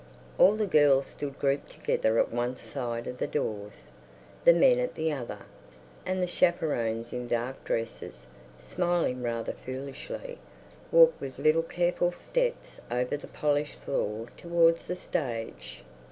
All the girls stood grouped together at one side of the doors, the men at the other, and the chaperones in dark dresses, smiling rather foolishly, walked with little careful steps over the polished floor towards the stage.